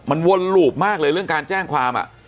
มันวนหลูบมากเลยเรื่องการแจ้งความ